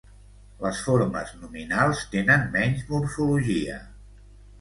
Les formes nominals tenen menys morfologia.